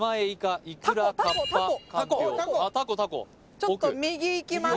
ちょっと右いきます